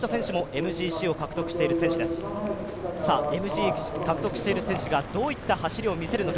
ＭＧＣを獲得している選手がどういった走りを見せるのか。